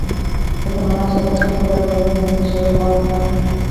د تمنا، شرط او شک په ډول بیانیږي لکه ښایي لاړ شم.